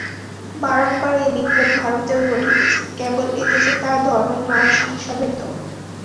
বারংবার এ বিপ্লব ভারতেও ঘটিতেছে, কেবল এ দেশে তাহা ধর্মের নামে সংসাধিত।